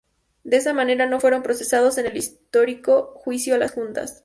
De esa manera, no fueron procesados en el histórico Juicio a las Juntas.